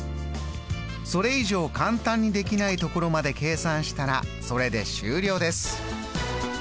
それ以上簡単にできないところまで計算したらそれで終了です！